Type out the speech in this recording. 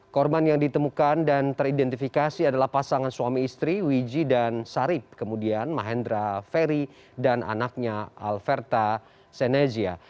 korban yang ditemukan dan teridentifikasi adalah pasangan suami istri wiji dan sarip kemudian mahendra ferry dan anaknya alverta senezia